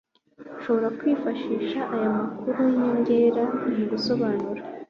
ushobora kwifashisha aya makuru y inyongera mu gusobanura